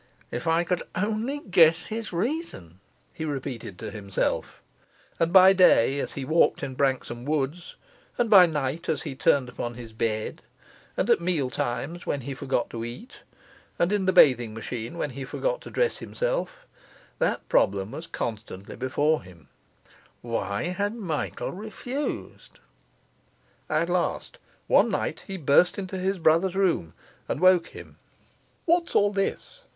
'If I could only guess his reason,' he repeated to himself; and by day, as he walked in Branksome Woods, and by night, as he turned upon his bed, and at meal times, when he forgot to eat, and in the bathing machine, when he forgot to dress himself, that problem was constantly before him: Why had Michael refused? At last, one night, he burst into his brother's room and woke him. 'What's all this?